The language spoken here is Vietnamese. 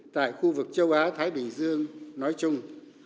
tại khu vực châu á thái bình dương nói chung